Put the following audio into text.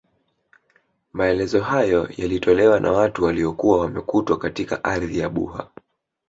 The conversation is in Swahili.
Maelezo hayo yalitolewa na watu waliokuwa wamekutwa katika ardhi ya Buha